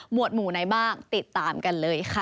วดหมู่ไหนบ้างติดตามกันเลยค่ะ